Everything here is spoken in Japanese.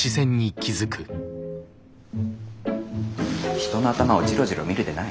人の頭をじろじろ見るでない。